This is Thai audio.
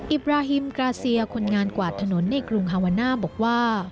บราฮิมกราเซียคนงานกวาดถนนในกรุงฮาวาน่าบอกว่า